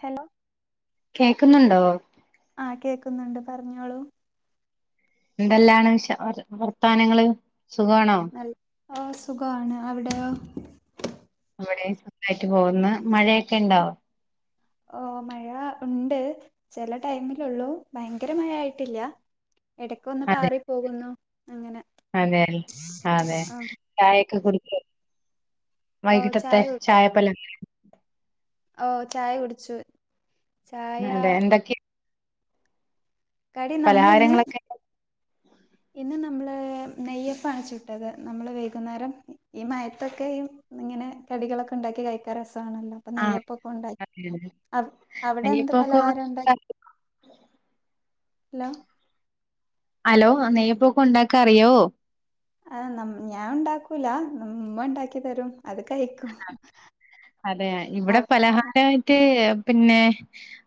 Hello കേക്കുന്നുണ്ടോ? ആഹ് കേൾക്കുന്നുണ്ട് പറഞ്ഞോളൂ എന്തെല്ലാണ് വിഷ വർത്താനങ്ങള് സുഖമാണോ നല്ല ആഹ് സുഖമാണ് അവിടെയോ ഇവ്ടേയും സുഖായിട്ട് പോവ്ന്ന് മഴയെക്കെണ്ടോ ഓഹ് മഴ ഉണ്ട് ചെല ടൈമിലാെള്ളു ഭയങ്കര മഴയായിട്ടില്ലാ എടെക്കാെന്ന് പാറി പോകുന്നു അങ്ങെനെ അതേൽ അതെ ചായെക്കെ കുടിച്ചോ ഓ ചായ വൈകിട്ടെത്തെ ചായപ്പല ഓഹ് ചായ കുടിച്ചു ചായാ അതെ എന്തൊക്കെ കടി നമ്മള്ന്ന് പലഹാരങ്ങളൊക്കെ ഇന്ന് നമ്മള് നെയ്യപ്പാണ് ചുട്ടത് നമ്മള് വെയ്കുന്നാരം ഈ മയത്തൊക്കെ ഇ ങ്ങെനെ കടികളൊക്കെണ്ടാക്കി കഴിക്കാ രസാണല്ലോ പ്പം ആഹ് നെയ്യപ്പൊക്കാെണ്ടായ് അതെ അതെ. അ അവിടെ എന്ത് നെയ്യപ്പൊക്കെ പലഹാരംണ്ടായ് ഹലോ ഹലോ ആഹ് നെയ്യപ്പാെക്കെ ഒണ്ടാക്കാ അറിയോ ആഹ് നം ഞാൻണ്ടാക്കൂലാ മ്മണ്ടാക്കി തെരും അത് കയിക്കും ആഹ് അതേ ഇവ്ടെ പലഹാരായിട്ട് പിന്നേ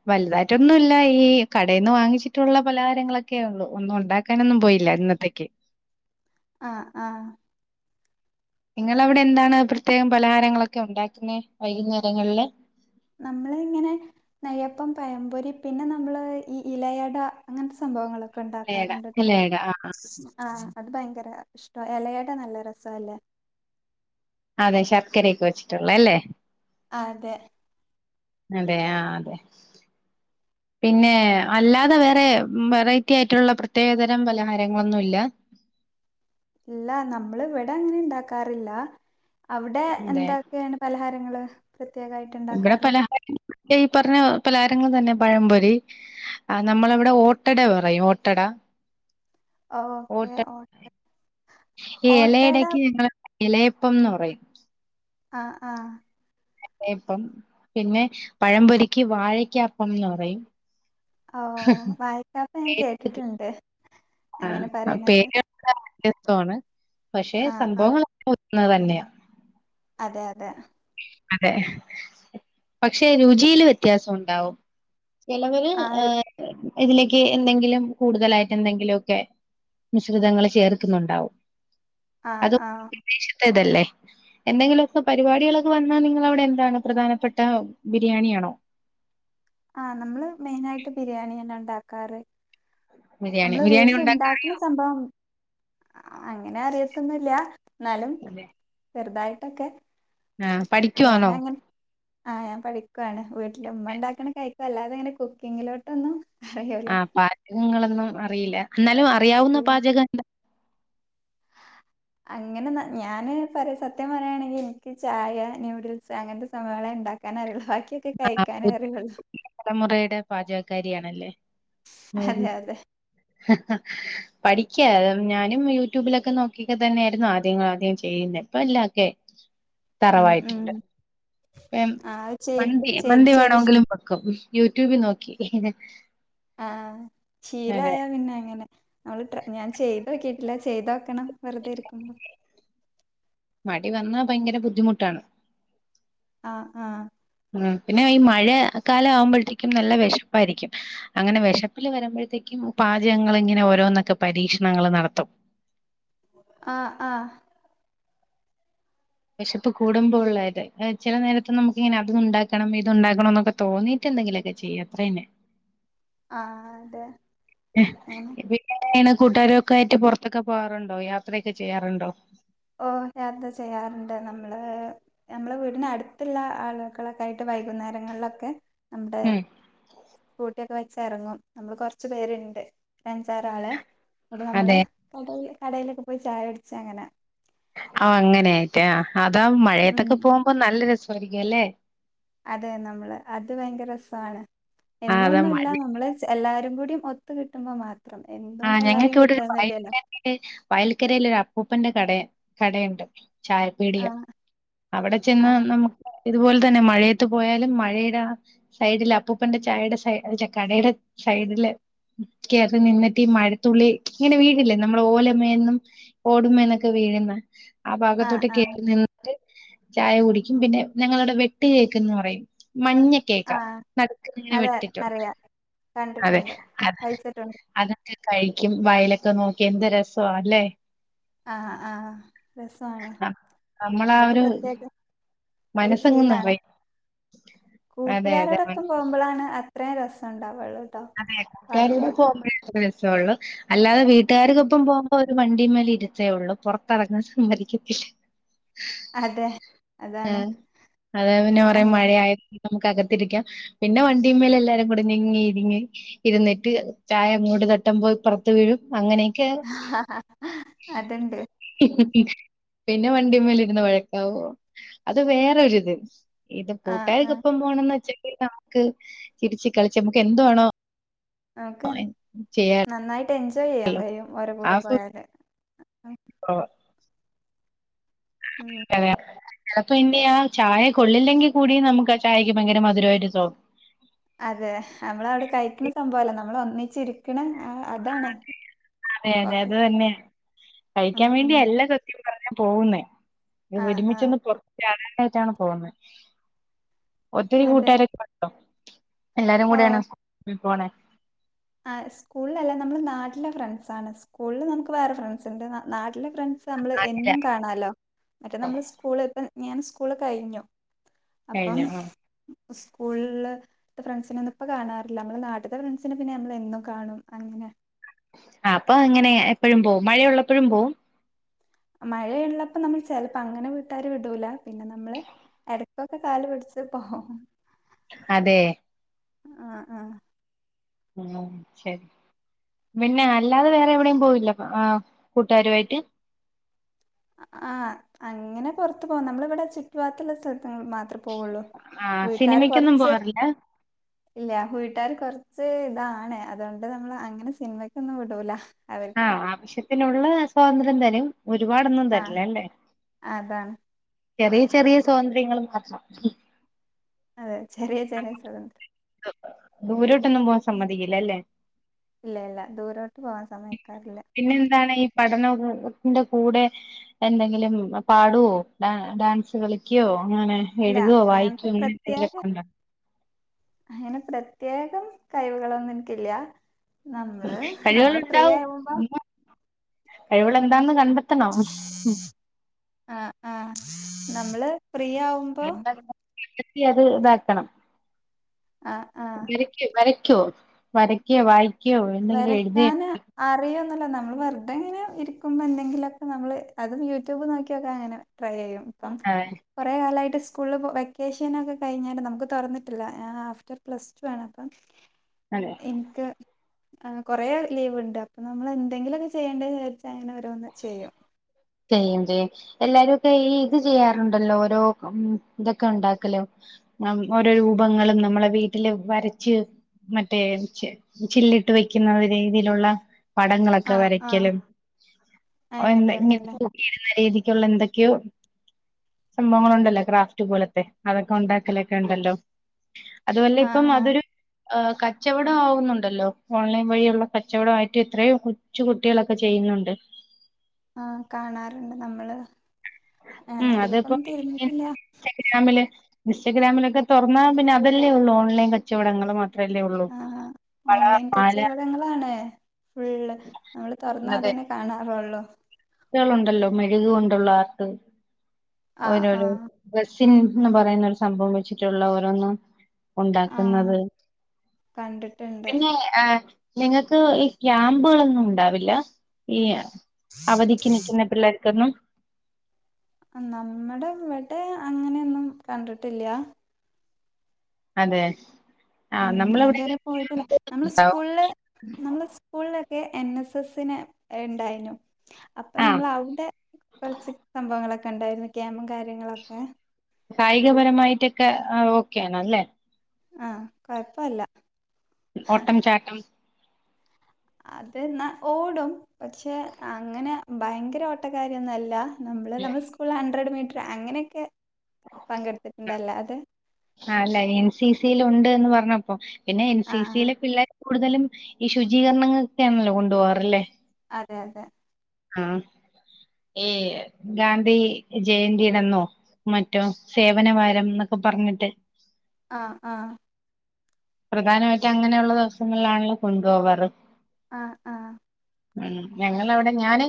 വൽതായ്ട്ടൊന്നുല്ല ഈ കടേന്ന് വാങ്ങിച്ചിട്ടുള്ള പലഹാരങ്ങളൊക്കെ ഒള്ളു ഒന്നും ഉണ്ടാ ക്കാനൊന്നും പോയില്ലാ ഇന്നത്തേക്ക്യ് ആഹ് ആഹ് നിങ്ങളവ്ടെ എന്താണ് പ്രത്യേകം പലഹാരങ്ങളൊക്കെ ഉണ്ടാക്കുന്നെ വൈകുന്നേരെങ്ങെൾല് നമ്മള് ഇങ്ങെനെ നെയ്യപ്പം പയംപൊരി പിന്നെ നമ്മള് ഈ ഇലയടാ അങ്ങൻത്തെ സംഭവങ്ങളൊ ക്കെ ലേട ണ്ടാക്കാറ്ണ്ട്ട്ടോ ലേട ആ ആഹ് അത് ഭയങ്കര ഇഷ്ടാ എലെയട നല്ല രസവല്ലേ അതെ ശർക്കരയൊക്കെ വെച്ചിട്ടുള്ളെ അല്ലേ ആഹ് അതെ അതെ ആഹ് അതെ പിന്നെ അല്ലാതെ വേറെ വെറൈറ്റി ആയിട്ടുള്ള പ്രത്യേകതരം പലഹാരങ്ങളൊന്നും ഇല്ലാ ഇല്ലാ നമ്മള് വെടെ അങ്ങെനെ ഇണ്ടാക്കാറില്ലാ അവ്ടെ അതെ എന്താ ക്കേണ് പൽഹാരങ്ങള് പ്രത്യേകായ് ഇവെടെ പലഹാരങ്ങ ഈ പർഞ്ഞ പലഹാരങ്ങൾ തന്നെ പഴംപൊരി ആഹ് നമ്മളെവെടെ ഓട്ടട പറയും ഓട്ടടാ ഓക്കെ ഓട്ട ഈ ഓട്ടട എലെയടക്ക്യ് ഇങ്ങളെ എലെയപ്പം ന്ന് പറയും ആഹ് ആഹ് ലെയപ്പം പിന്നെ പഴംപൊരിക്ക്യ് വാഴക്ക്യാ അപ്പംന്ന് പറെയും ഓഹ് വായിക്കാപ്പം ഞാൻ പേര് കേട്ടിട്ട്ണ്ട് അങ്ങെനെ പറയ്ണെത് ത്തോണ് പക്ഷേ ആ ആ സംഭവം [unintelligible] തന്നെയാ അതെ അതെ അതെ പക്ഷെ രുചിയില് വെത്യാസ ഒണ്ടാവും ചെലെവെര് ആ ഒരു ഏഹ് ഇതിലേക്ക്യ് എന്തെങ്കിലും കൂട്തലായിട്ടെന്തെങ്കിലൊക്കെ മിശ്രിതങ്ങെള് ചേർക്ക്ന്നുണ്ടാവും ആ അതൊ ആ വിദേശെത്തെ ഇതല്ലേ എന്തെങ്കിലാെക്കെ പരിപാടികളൊ വന്നാ നിങ്ങളവ്ടെ എന്താണ് പ്രധാനപ്പെട്ടാ ബിരിയാണി ആണോ ആഹ് നമ്മള് മെയ്നായ്ട്ട് ബിരിയാണി തന്നെ ഉണ്ടാക്കാറ് ബിരിയാണി നമ്മള് ബിരിയാണി വീട്ട്ല് ഇണ്ടാക്ക്ണ സംഭവം അങ്ങെനെ അറിയത്തൊന്നുല്ലാ ന്നാലും ഉണ്ടാക്കാറില്ലേ ചെർതായ്ട്ടൊക്കെ ആ ഞാന പഠിക്കുവാണോ അങ്ങനെ ആഹ് ഞാൻ പഠിക്കുവാണ് വീട്ടിലുമ്മ ണ്ടാക്കണ കഴിക്ക അല്ലാതെ ങ്ങനെ കുക്കിങ്ങിലോട്ടൊന്നും അറിയൂല ആഹ് പാചകങ്ങളൊന്നും അറിയില്ല എന്നാലും അറിയാവുന്ന ഇല്ല. പാചകം എന്താ അങ്ങനെ ഞാന് പറ സത്യം പറയാണെങ്കിൽ എനിക്ക് ചായ ന്യൂഡിൽസ് അങ്ങനത്തെ സഭങ്ങളെ ഉണ്ടാക്ക കനാരള് ഹാക്കി ആഹ് തലമുറയുടെ പാചകക്കാരിയാണല്ലേ അതെ അതെ പഠിക്ക ഞാനും യൂട്യൂബിലൊക്കെ നോക്കിക്കെ തന്നെയായിരുന്നു ആദ്യങ്ങ ആദ്യം ചെയ്യുന്നത് ഇപ്പ എല്ലാം ഒക്കെ ഉം ഉം തറവായിട്ടുണ്ട്ം ആ അത് ചെയ്ത് മന്തി ചെയ്ത് മന്തി ചെയ്ത് വേണമെങ്കിലും വെക്കും യൂട്യൂബിൽ നോക്കി ആഹ് അതെ ശീലായ പിന്നെ അങ്ങനെ നമ്മള് ട്ര ഞാൻ ചെയ്ത്ക്കിട്ടില്ല ചെയ്ത ക്കണം വെറുതെ ഇരിക്കുമ്പോ മടി വന്നാൽ ഭയങ്കര ബുദ്ധിമുട്ടാണ് ആഹ് ആഹ് ഉ പിന്നെ ഈ മഴ കാലാവുമ്പോഴത്തേക്കും നല്ല വിശപ്പായിരിക്കും അങ്ങനെ വിശപ്പില് വരുമ്പോഴത്തേക്കും പാചകങ്ങള് ഇങ്ങനെ ഓരോന്നൊക്കെ പരീക്ഷണങ്ങൾ ഓരോന്നൊക്കെ നടത്തും ആഹ് ആഹ് വിശപ്പ്കുടുമ്പോൾള്ളതത് ചില നേരത്ത് നമുക്ക് ഇങ്ങനെ അതത് ഉണ്ടാക്കണം ഇത് ഉണ്ടാക്കണം എന്നൊക്കെ തോന്നിട്ട് ക്ക് എന്തെങ്കിലൊക്കെ ചെയ്യ അത്രന്നെ ആഹ് അതെ അങ്ങനെ കൂട്ടുകാരുംക്കെ ആയിട്ട് പുറത്തൊക്കെ പോകാറുണ്ടോ യാത്രയൊക്കെ ചെയ്യാറുണ്ടോ ഓഹ് യാത്ര ചെയ്യാറുണ്ട് നമ്മള് നമ്മുടെ വീടിന അടുത്തുള്ള ആളുകളൾക്കൊയിയിട്ട് വൈകുന്നേരങ്ങളിലൊക്കെ നമ്മുടെ ഉം കൂട്ടിയൊക്കെ വെച്ച ഇറങ്ങും നമ്മള് കൊറച്ചു പേരുണ്ട് ഒരു അഞ്ചാറാള് ന്നട്ട് നമ്മള് അതെ കട കടേല്ലൊക്കെ പോയി ചായ കുടിച്ച അങ്ങനെ ആ അങ്ങനൊയിട്ടേ അതാ മഴയത്തൊക്കെ ഉം പോകുമ്പോ നല്ല രസമായിരിക്കും അല്ലേ അതെ നമ്മള് അത് ഭയങ്കര രസമാണ് ആ അതാ മഴ എന്നുംന്നുമല്ല നമ്മള് എല്ലാരും കൂടി ഒത്ത് കിട്ടുമ്പോ മാത്രം എന്തും എല്ലാരും കിട്ടാന്നല്ലേോ വയൽക്കരൽ ഒരു അപ്പൂപ്പന്റെ കട കടയുണ്ട് ആ ചായപ്പീടിയ അവിടെ ആ ചെന്ന് നമുക്ക് ഇതുപോലെ തന്നെ മഴയത്ത് പോയാലും മഴയുടെ ആ സൈഡില് അപ്പൂപ്പന്റെ ചായയുടെ സൈ കടയുടെ സൈഡില് കേറി നിന്ന് ഈ മഴത്തുള്ളി ഇങ്ങനെ വീഴില്ലേ നമ്മളെ ഓലമന്നും ഓടുമേന്നൊക്കെ വീഴുന്ന ആ ഭാഗത്തോട്ട് കേറി നിന്ന് ചായ കുടിക്കും പിന്നെ ഞങ്ങളുടെ വെട്ട് കേക്കന്ന് പറയും മഞ്ഞ കേക്ക ആ നടക്കുങ്ങനെ അത് വെട്ടിട്ടോ അറിയാം അതെ കണ്ടിട്ടുണ്ട് അ കഴിച്ചിട്ടുണ്ട് അത കഴിക്കും വയലൊക്കെ നോക്കി എന്ത് രാസവ അല്ലേ ആ ആ രസാണ് ആഹ് നമ്മളാ അതൊക്കെ ഒരു പ്രത്യേക ഒരു മനസ്സങ്ങ് ഫീലാണ് നിറയും അതെ അതെ മന കൂട്ടുകാരോടൊപ്പം പോകുമ്പളാണ്അത്രയും രസംണ്ടാവുള്ളു അതെ കൂട്ടുകാരുടെ പോകുമ്പോഴേ രസള്ളൂ അല്ലാതെ ഉം. വീട്ടുകാർക്കൊപ്പം പോകുമ്പോ വണ്ടിമ്മൽ ഇരുത്തേ ഉള്ളൂ പുറത്തെറങ്ങാൻ സംമ്മരിക്കത്തില്ലേ അതെ ആ അതാണ് അത പിന്നെ കുറെേ മഴ അങ്ങനെ ആയ നമുക്ക് അകത്തിരിക്കാം പിന്നെ വണ്ടിമ്മല് എല്ലാരും കൂടെ നിങ്ങി ഇരിങ്ങ ഇരുന്നിട്ട് ചായ അങ്ങൂട് തട്ടൻ പോയി പൊറത്ത് വീഴും അങ്ങനെയൊക്കെ അത്ണ്ട്. പിന്നെ വണ്ടിമ്മലിരുന്ന് വഴക്കാവോ, അത് വേറൊരിത്. ഇത് ആ ആ കൂട്ടുകാർക്ക്പ്പം പോണംന്ന് വെച്ചെങ്കിൽ നമുക്ക് ചിരിച്ച് കളിച്ച് നമുക്ക് എന്തുവേണോ നമുക്ക് നന്നായിട്ട് എൻജോയ് ചെയ്യാൻ കഴിയും ഓരെ കൂടെ പോയാല്. ആഹ്. ഉം. അതെ അപ്പ ഇന്ന് ഞാൻ ചായ കൊള്ളില്ലെങ്കി കൂടി നമുക്ക് ആ ചായയ്ക്ക് ഭയങ്കര മധുരവായിട്ട് തോന്നും. അതെ അമ്മളവ്ടെ കഴിക്ക്ണ സംഭവല്ല നമ്മള് ഒന്നിച്ചിരിക്ക്ണെ അതാണ്. ഫോക്കസ്. മേനേജറെന്നെ, കഴിക്കാൻ ആഹ് വേണ്ടി ആഹ്. എല്ല സത്യം പറഞ്ഞാ പോകുന്നേ ത് ആഹ് ആഹ്. ഒരുമിച്ചൊന്ന് പൊർത്ത് ചാടാനായിട്ടാണ് പോകുന്നത്. ഒത്തിരി അതെ. കൂട്ടുകാരൊക്കെ [unintelligible] [unintelligible] എല്ലാരും കൂടേണ് ഓഹ്. ഉം, പോണെ ആഹ്, സ്കൂള്ലല്ല നമ്മള് നാട്ടിലെ ഫ്രണ്ട്സാണ്. സ്കൂൾള് നമുക്ക് വേറെ ഫ്രണ്ട് സ്ണ്ട്, നാട്ടിലെ ഫ്രണ്ട്സമ്മള് ആല്ല എന്നും കാണാലോ മറ്റേ നമ്മള് സ്കൂള് ഇപ്പ ഞാൻ സ്കൂള് കഴിഞ്ഞു. അപ്പം കഴിഞ്ഞു മ്, സ്കൂൾള് തെ ഫ്രണ്ട്സിനൊന്നും ഇപ്പ കാണാറില്ല. അമ്മള് നാട്ട്ത്തെ ഫ്രണ്ട്സിന് പിന്നെ നമ്മള് എന്നും കാണും അങ്ങനെ ആഹ്, അപ്പൊ അങ്ങനെ എപ്പഴും പോവും. മഴയുള്ളപ്പഴും പോവും? മഴയുള്ളപ്പം നമ്മൾ ചെലപ്പൊ അങ്ങനെ വീട്ടാര് വിടൂല, പിന്നെ നമ്മള് എട ക്കൊക്കെ കാല് പിടിച്ച് പോവും. അതെ. ആഹ്, ആഹ് ഉം, ശരി പിന്നെ അല്ലാതെ വേറെ എവിടെയും പോയില്ല ആഹ് കൂട്ടുകാരുവായിട്ട്. ആഹ്, അങ്ങനെ പൊർത്തു പോകും നമ്മളവടെ ചുറ്റുവാത്തുള്ള സ്ഥലത്ത്ങ്ങൽ മാത് ത്ര പോവൊള്ളൂ ആ വീട്ടാര് സിനിമയ്ക്കൊന്നും കൊറച്ച് പോവാറില്ല ഇല്ല വീട്ടാര് കൊർച്ച് ഇതാണ് അതുകൊണ്ട് നമ്മള് അങ്ങനെ സിനിമക്കൊന്നും വിടൂല. അവർക്ക് ആഹ്, ആവശ്യത്തിനുള്ള സ്വാതന്ത്ര്യം തരും. ഒരുപാടൊന്നും ആ തരില്ലല്ലേ? അതാണ് ചെറിയ ചെറിയ സ്വാതന്ത്ര്യങ്ങള് മാത്രം. അതെ, ചെറിയ ചെറിയ സ്വാതന്ത്ര്യം. [unintelligible] ദൂരോട്ടൊന്നും പോവാൻ സമ്മതിക്കില്ല അല്ലേ? ഇല്ല ഇല്ല. ദൂരോട്ട് പോവാൻ സമ്മയ്ക്കാറില്ല. പിന്നെ എന്താണ് ഈ പഠനോകോത്തിന്റെ കൂടെ എന്തെങ്കിലും പാടുവോ ഡാ ഡാൻസ് കളിക്ക്യോ അങ്ങനെ ഇല്ല എഴുതോ വായിക്കോ അങ്ങനത്തെ അങ്ങനെ എന്തെങ്കിലും പ്രത്യേക ഒക്കെണ്ടോ? അങ്ങനെ പ്രത്യേകം കഴിവുകളൊന്നുംൻക്കില്ല്യ. നമ്മള് നമ്മള് ഫ്രീ കഴിവുകളുണ്ടാവും ആവുമ്പൊ കഴിവ്കളെന്താന്ന് കണ്ടെ ആഹ്, ആഹ് നമ്മള് ഫ്രീ ആവു [unintelligible] കണ്ടെത്തി അത് താക്കണം. ആഹ്, ആഹ് വരയ്ക്കോ വരയ്ക്കോ വായിക്കോ എന്തെങ്കിലും എഴുതെ അറിയോന്നല്ല നമ്മൾ വെർതെങ്ങനെ ഇരിക്കുമ്പൊന്തെങ്കിലൊക്കെ നമ്മള് അതും യൂട്യൂബ് നോക്കിയൊക്കെ അങ്ങനെ ട്രൈ ചെയ്യും ഇപ്പം അതെ കൊറേ കാലായിട്ട് സ്കൂൾല് വെക്കേഷനൊക്കെ കഴിഞ്ഞാല് നമുക്ക് തൊറന്നിട്ടില്ല ഞാൻ ആഫ്റ്റർ പ്ലസ് ടു ആണ് അപ്പം. അതെ ന്ക്ക് ആഹ് കൊറേ ലീവ്ണ്ട്. അപ്പൊ നമ്മള് എന്തെങ്കിലൊക്കെ ചെയ്യേണ്ടേന്ന് വിചാരിച്ചു അങ്ങനെ ഓരോന്ന് ചെയ്യും. ചെയ്യും ചെയ്യും എല്ലാരൊക്കെ ഈ ഇത് ചെയ്യാറുണ്ടല്ലോ ഓരോ ഉം ഇതൊക്കെ ഉണ്ടാക്കലും നമുക്ക് ഓരോ രൂപങ്ങളും നമ്മളെ വീട്ടില് വരച്ച് മറ്റേ ച് ചില്ലിട്ട് വെക്കുന്ന രീതിയിലുള്ള പടങ്ങളൊക്കെ ആഹ് ആഹ് വരയ്ക്കലും ഓഹ് എന്താ അങ്ങനെയൊക്കെ ഇങ്ങനെ ഉണ്ടല്ലേ തൂക്കിയിടുന്ന രീതിക്കുള്ള എന്തൊക്കെയോ സംഭവങ്ങളൊണ്ടല്ലോ ക്രാഫ്റ്റ് പോലത്തെ. അതൊക്കെ ഉണ്ടാക്കലൊക്കെ ഉണ്ടല്ലോ അതുവല്ല ഇപ്പം ആഹ് ആഹ് അതൊരു കച്ചവടം ആവുന്നുണ്ടല്ലോ ഓൺലൈൻ വഴിയുള്ള കച്ചവടമായിട്ട് എത്രയോ കൊച്ച് കുട്ടികളൊക്കെ ചെയ്യുന്നുണ്ട് ആഹ്, കാണാറുണ്ട് നമ്മള്. ഉം എന്നാ അതിപ്പോ അതിലേക്കൊന്നും തിരിഞ്ഞിട്ടില്ല. ഇൻസ്റ്റഗ്രാമില് ഇൻസ്റ്റഗ്രാമിലൊക്കെ തോറന്നാ പിന്നെ അതല്ലേ ഒള്ളൂ ഓൺലൈൻ കച്ചവടങ്ങള് മാത്രം. ആഹ്, ഓൺലൈൻ കച്ചവടങ്ങളാണ് ഫുള്ള്. നമ്മള് തൊറന്നാ അതന്നെ കാണാറൊള്ളൂ. ട്ട്കളുണ്ടല്ലോ മെഴുക് കൊണ്ടുള്ള ആർട്ട്. ആഹ് ഓരോരോ ആഹ് ഗസിൻ എന്ന് പറയുന്ന ഒരു സംഭവം വെച്ചിട്ടുള്ള ഓരോന്ന് ആഹ് ഉണ്ടാക്കുന്നത്. കണ്ടിട്ടുണ്ട് പിന്നെ ആഹ് നിങ്ങക്ക് ഈ ക്യാമ്പ്കളൊന്നും ഉണ്ടാവില്ല? ഈ അവധിക്ക് നിക്ക്ന്ന പിള്ളേർക്കൊന്നും നമ്മടെ ഇവിടെ അങ്ങനെയൊന്നും കണ്ടിട്ടില്ല. അതെ ആഹ് ഉം ഞാൻ നമ്മളിവിടെ ഇതുവരെ പോയിട്ടില്ല. നമ്മള് ഉണ്ടാവും സ്കൂൾള് നമ്മള് സ്കൂൾലെക്കെ എൻ എസ് എസിന് ഇണ്ടായ്നു. അപ്പ ആഹ് നമ്മള് അവിടെ കൊറച്ച് സംഭവങ്ങളൊക്കെ ഉണ്ടായിരുന്നു ക്യാമ്പും കാര്യങ്ങളൊക്കെ. കായികപരമായിട്ടൊക്കെ ഓക്കെയാണല്ലേ. ആഹ് കൊഴപ്പല്ല. ഓട്ടം, ചാട്ടം അതന്ന ഓടും പക്ഷെ അങ്ങനെ ഭയങ്കര ഓട്ടക്കാരിയൊന്നല്ല. നമ്മള് നമ്മടെ സ്കൂളില് ഹൺഡ്രഡ് മീറ്റർ അങ്ങനെയൊക്കെ പങ്കെടുത്തിട്ടുണ്ട്. അല്ലാതെ ആഹ്, അല്ല എൻ സി സിൽ ഉണ്ട് എന്ന് പറഞ്ഞപ്പോ പിന്നെ എൻ സി ആഹ് സിയിലെ പിള്ളേരെ കൂടുതലും ഈ ശുചീകരണങ്ങക്കെയാണല്ലോ കൊണ്ടുപോകാറല്ലേ? അതെ അതെ ആഹ് ഈ ഗാന്ധി ജയന്തിടന്നോ മറ്റോ സേവനവാരം എന്നൊക്കെ പറഞ്ഞിട്ട് ആഹ് ആഹ് പ്രധാനമായിട്ടും അങ്ങനെയുള്ള ദിവസങ്ങളിലാണല്ലോ കൊണ്ടുപോവാറ്. ആഹ് ആഹ് ഉം ഞങ്ങളവിടെ ഞാന്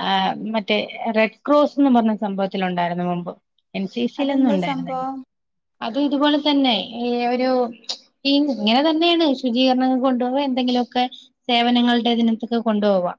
ആഹ് മറ്റേ റെഡ് ക്രോസ്ന്ന് പറഞ്ഞ സംഭവത്തിലുണ്ടായിരുന്നു മുമ്പ്. എൻ സി സിലൊന്നും അതെന്താ ഉണ്ടായിരുന്നില്ല. സംഭവം അത് ഇതുപോലെ തന്നെ ഈ ഒരു ടീം ഇങ്ങനെ തന്നേണ് ശുചീകരണങ്ങൾക്ക് കൊണ്ടുപോവെ എന്തെങ്കിലൊക്കെ സേവനങ്ങളുടെ ഇതിനത്തെക്കെ കൊണ്ടുപോവാ.